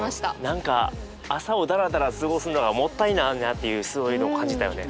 何か朝をダラダラ過ごすのがもったいないなっていうそういうのを感じたよね今回ね。